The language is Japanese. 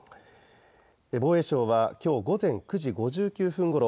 防衛省はきょう午前９時５９分ごろ